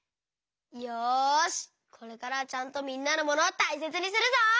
よしこれからはちゃんとみんなのモノをたいせつにするぞ！